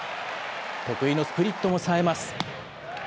得意のスプリットもさえます。